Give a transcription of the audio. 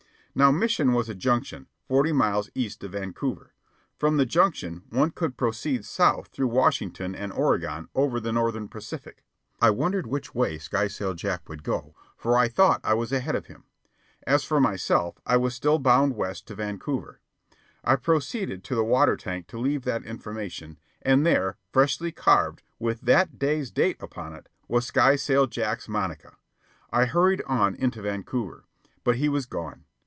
Now Mission was a junction, forty miles east of Vancouver. From the junction one could proceed south through Washington and Oregon over the Northern Pacific. I wondered which way Skysail Jack would go, for I thought I was ahead of him. As for myself I was still bound west to Vancouver. I proceeded to the water tank to leave that information, and there, freshly carved, with that day's date upon it, was Skysail Jack's monica. I hurried on into Vancouver. But he was gone.